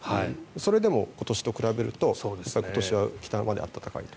それでも今年と比べると今年は北まで暖かいと。